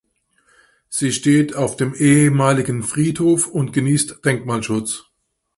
Sie steht auf dem ehemaligen Friedhof und genießt Denkmalschutz.